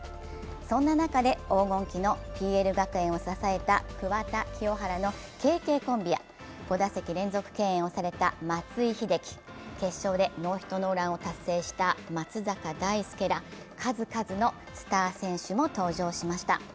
そんな中で黄金期のＰＬ学園を支えた桑田・清原のＫＫコンビや５打席連続敬遠された松井秀喜決勝でノーヒットノーランを達成した松坂大輔ら数々のスター選手も登場しました。